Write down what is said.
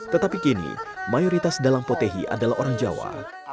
tetapi kini mayoritas dalang potehi adalah orang jawa